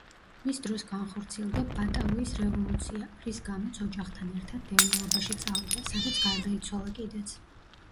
მის დროს განხორციელდა ბატავიის რევოლუცია, რის გამოც ოჯახთან ერთად დევნილობაში წავიდა, სადაც გარდაიცვალა კიდეც.